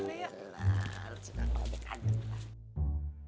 iyalah harusnya manis aja lah